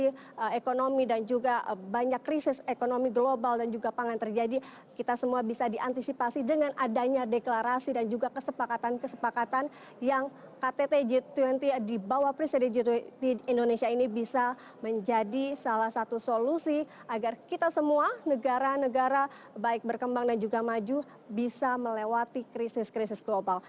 di prediksi ekonomi dan juga banyak krisis ekonomi global dan juga pangan terjadi kita semua bisa diantisipasi dengan adanya deklarasi dan juga kesepakatan kesepakatan yang ktt g dua puluh dibawah presidensi g dua puluh indonesia ini bisa menjadi salah satu solusi agar kita semua negara negara baik berkembang dan juga maju bisa melewati krisis krisis global